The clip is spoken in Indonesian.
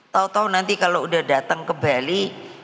tahu tahu nanti kalau udah datang ke bali